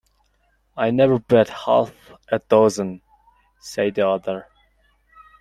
‘I never bet half a dozen!’ said the other.